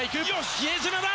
比江島だ。